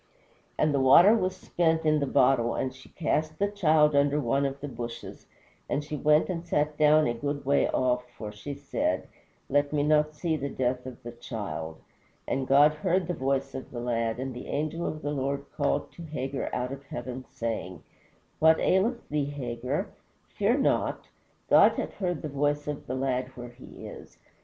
"And the water was spent in the bottle, and she cast the child under one of the shrubs, and she went and sat down a good way off, for she said, Let me not see the death of the child. And God heard the voice of the lad, and the angel of the Lord called to Hagar out of heaven, saying, What aileth thee, Hagar? fear not. God hath heard the voice of the lad where he is.